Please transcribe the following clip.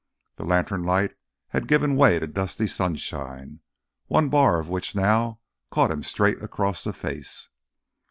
The lantern light had given way to dusty sunshine, one bar of which now caught him straight across the face.